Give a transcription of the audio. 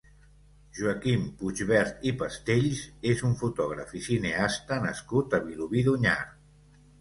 Joaquim Puigvert i Pastells és un fotògraf i cineasta nascut a Vilobí d'Onyar.